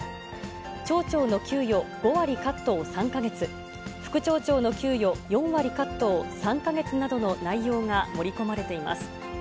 町長の給与５割カットを３か月、副町長の給与４割カットを３か月などの内容が盛り込まれています。